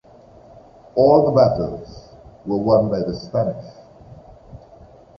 All the battles were won by the Spanish.